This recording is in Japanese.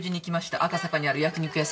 赤坂にある焼肉屋さんに。